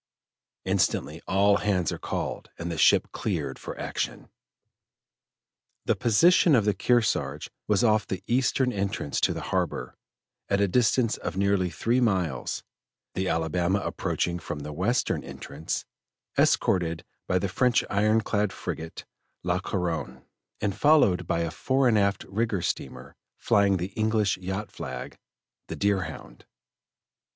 Instantly all hands are called and the ship cleared for action. The position of the Kearsarge was off the eastern entrance to the harbor, at a distance of nearly three miles, the Alabama approaching from the western entrance, escorted by the French iron clad frigate La Couronne, and followed by a fore and aft rigged steamer, flying the English yacht flag, the Deerhound.